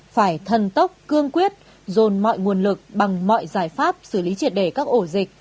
phải thần tốc cương quyết dồn mọi nguồn lực bằng mọi giải pháp xử lý triệt đề các ổ dịch